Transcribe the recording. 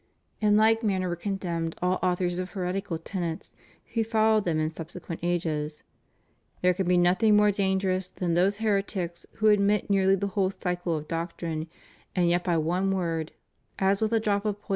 In like manner were con demned all authors of heretical tenets who followed them in subsequent ages. "There can be nothing more dan gerous than those heretics who admit nearly the whole cycle of doctrine, and yet by one word, as with a drop of ' S.